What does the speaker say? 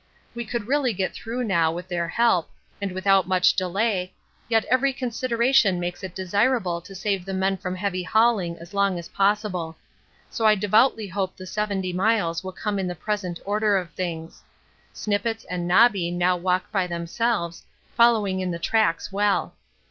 We could really get though now with their help and without much delay, yet every consideration makes it desirable to save the men from heavy hauling as long as possible. So I devoutly hope the 70 miles will come in the present order of things. Snippets and Nobby now walk by themselves, following in the tracks well.